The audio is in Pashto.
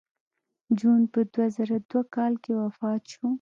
جون په دوه زره دوه کال کې وفات شو